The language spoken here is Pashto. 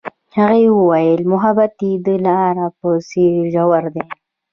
هغې وویل محبت یې د لاره په څېر ژور دی.